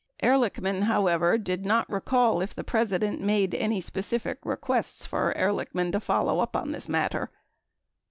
Ehrlichman, however, did not recall if the President made any specific requests for Ehrlich man to follow up on this matter.